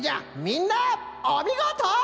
みんなおみごと！